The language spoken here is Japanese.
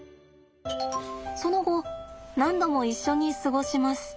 その後何度も一緒に過ごします。